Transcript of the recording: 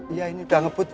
iya ini udah ngebut bu